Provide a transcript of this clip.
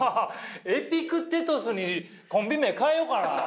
「エピクテトス」にコンビ名変えようかな。